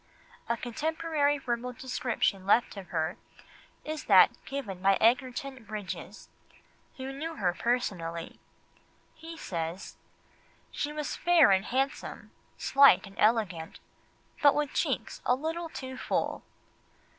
A contemporary verbal description left of her is that given by Sir Egerton Brydges, who knew her personally. He says: "She was fair and handsome, slight and elegant, but with cheeks a little too full."